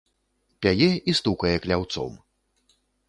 Пяе і стукае кляўцом.